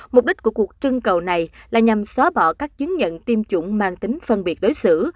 mục đích của cuộc trưng cầu này là nhằm xóa bỏ các chứng nhận tiêm chủng mang tính phân biệt đối xử